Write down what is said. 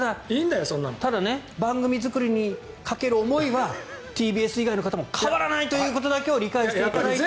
ただ、番組作りにかける思いはＴＢＳ以外の方も変わらないということを理解していただいて。